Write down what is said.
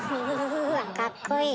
うわかっこいい。